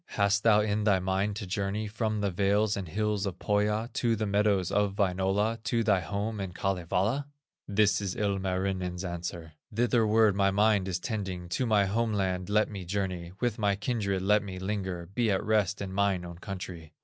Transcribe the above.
Hast thou in thy mind to journey From the vales and hills of Pohya, To the meadows of Wainola, To thy home in Kalevala?" This is Ilmarinen's answer: "Thitherward my mind is tending, To my home land let me journey, With my kindred let me linger, Be at rest in mine own country."